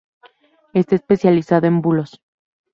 Está especializada en bulos.